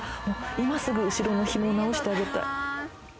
今すぐ後ろの紐を直してあげたい。